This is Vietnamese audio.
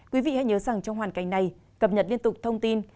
quý vị hãy nhớ rằng trong hoàn cảnh này cập nhật liên tục thông tin